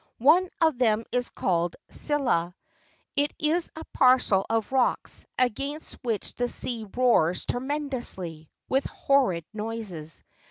One of them is called Scylla ; it is a parcel of rocks, against which the sea roars tremendously, with horrid noises.